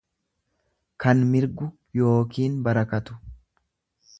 kan mirgu yookiin barakatu.